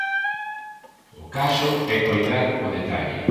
O caso é coidar o detalle.